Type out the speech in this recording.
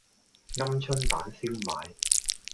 鵪鶉蛋燒賣